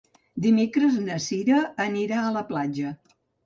Dimecres na Cira anirà a la platja.